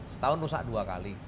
setahun rusak dua kali